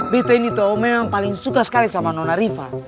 beta ini tau memang paling suka sekali sama nona riva